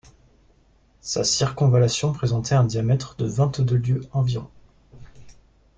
Sa circonvallation présentait un diamètre de vingt-deux lieues environ.